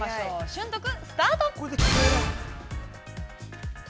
瞬読、スタート。